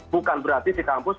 bukan berarti di kampus